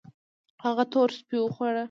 هغه تور سپي وخواړه